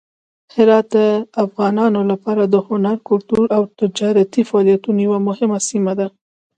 هرات د افغانانو لپاره د هنر، کلتور او تجارتي فعالیتونو یوه مهمه سیمه ده.